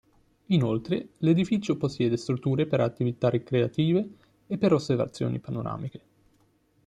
Inoltre, l'edificio possiede strutture per attività ricreative e per osservazioni panoramiche.